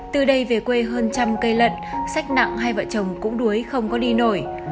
từ đây về quê hơn trăm cây lật sách nặng hai vợ chồng cũng đuối không có đi nổi